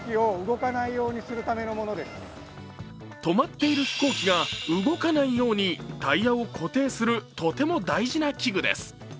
止まっている飛行機が動かないようにタイヤを固定するとても大事な器具です。